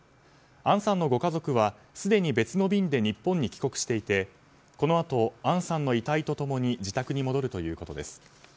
杏さんのご家族はすでに別の便で日本に帰国していてこのあと、杏さんの遺体と共に自宅に戻るということです。